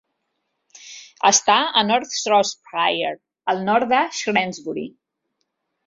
Està a North Shropshire, al nord de Shrewsbury.